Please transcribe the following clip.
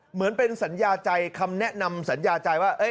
เหมือนเป็นสัญญาใจคำแนะนำสัญญาใจว่า